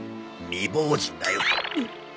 未亡人だよ。